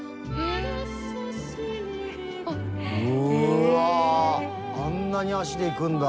うわあんなに脚でいくんだ。